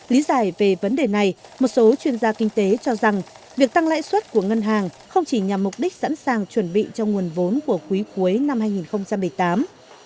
lý giải về vấn đề này một số chuyên gia kinh tế cho rằng việc tăng lãi suất của ngân hàng không chỉ nhằm mục đích sẵn sàng chuẩn bị cho nguồn vốn của quý cuối năm hai nghìn một mươi tám